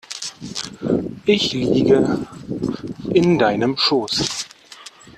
Ich liege in deinem Schoß.